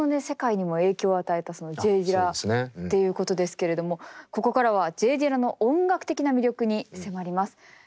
世界にも影響を与えたＪ・ディラっていうことですけれどもここからはＪ・ディラの音楽的な魅力に迫ります。